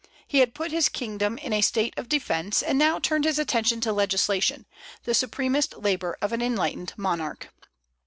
He had put his kingdom in a state of defence, and now turned his attention to legislation, the supremest labor of an enlightened monarch.